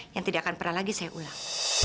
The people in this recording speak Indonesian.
yang tidak akan pernah lagi saya ulang